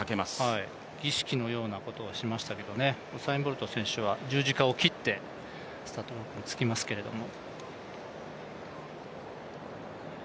何か儀式のようなことをしましたけどウサイン・ボルト選手は十字架を切ってスタートにつきますけれども。